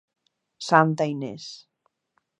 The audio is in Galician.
Santa Inés.